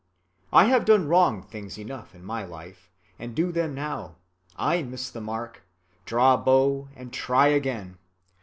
I have done wrong things enough in my life, and do them now; I miss the mark, draw bow, and try again.